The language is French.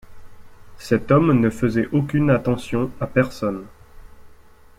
Cet homme ne faisait aucune attention à personne.